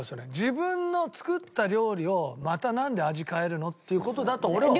自分の作った料理をまたなんで味変えるの？っていう事だと俺は思う。